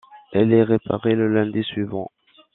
Elle est réparée le lundi suivant.